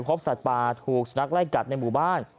พบสัตว์ป่าถูกสุนัขไล่กัดในหมู่บ้าน